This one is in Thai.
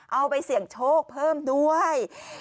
เอาไปเสี่ยงโชคเพิ่มด้วย